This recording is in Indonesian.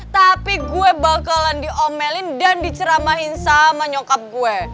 tapi gua bakalan diomelin dan diceramahin sama nyokap gua